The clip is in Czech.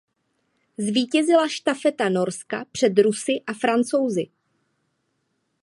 Zvítězila štafeta Norska před Rusy a Francouzi.